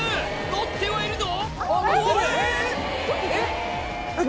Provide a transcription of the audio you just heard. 乗ってはいるぞ！